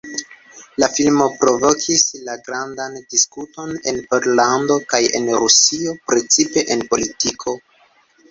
La filmo provokis la grandan diskuton en Pollando kaj en Rusio precipe en politiko.